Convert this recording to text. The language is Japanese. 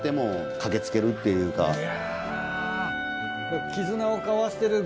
いや。